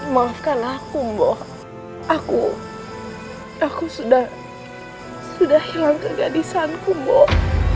maafkan aku mbok aku aku sudah sudah hilang ke gadisanku mbok